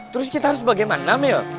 terus kita harus bagaimana mil